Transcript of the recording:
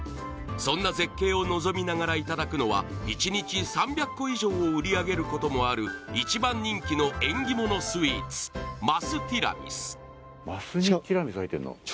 そんな絶景を望みながらいただくのは１日３００個以上を売り上げることもある一番人気の縁起物スイーツ升ティラミス升にティラミス入ってんの？